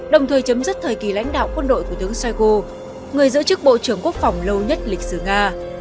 đồng thời chấm dứt thời kỳ lãnh đạo quân đội của tướng shoigo người giữ chức bộ trưởng quốc phòng lâu nhất lịch sử nga